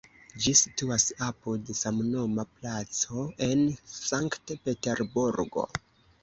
Ĝi situas apud samnoma placo en Sankt-Peterburgo.